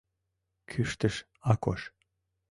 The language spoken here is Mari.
— кӱштыш Акош.